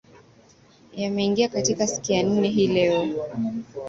yameingia katika siku ya nne hii leo